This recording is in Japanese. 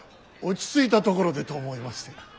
落ち着いたところでと思いまして。